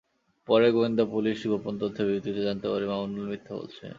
পরে গোয়েন্দা পুলিশ গোপন তথ্যের ভিত্তিতে জানতে পারে, মামুন মিথ্যা বলেছেন।